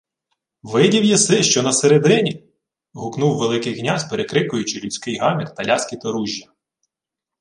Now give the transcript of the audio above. — Видів єси, що на середині? — гукнув Великий князь, перекрикуючи людський гамір та ляскіт оружжя.